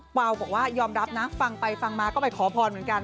วาวบอกว่ายอมรับนะฟังไปฟังมาก็ไปขอพรเหมือนกัน